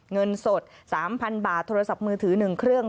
เงินสด๓๐๐๐บาทโทรศัพท์มือถือ๑เครื่อง